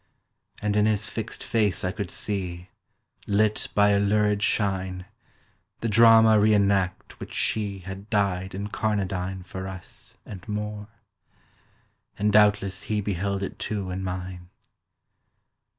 And in his fixed face I could see, Lit by a lurid shine, The drama re enact which she Had dyed incarnadine For us, and more. And doubtless he Beheld it too in mine.